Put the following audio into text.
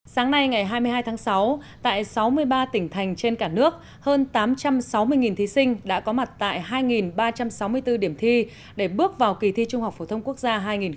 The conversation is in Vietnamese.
sáng nay ngày hai mươi hai tháng sáu tại sáu mươi ba tỉnh thành trên cả nước hơn tám trăm sáu mươi thí sinh đã có mặt tại hai ba trăm sáu mươi bốn điểm thi để bước vào kỳ thi trung học phổ thông quốc gia hai nghìn một mươi chín